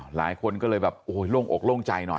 หลายคนก็เลยแบบโอ้โหโล่งอกโล่งใจหน่อย